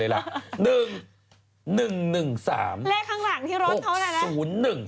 เลขข้างหลังที่รถเขาอะไรล่ะ